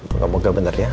enggak enggak bener ya